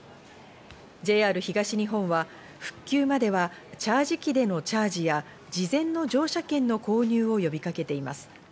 ＪＲ東日本は復旧まではチャージ機でのチャージや事前の乗車券の購入を呼びかけています。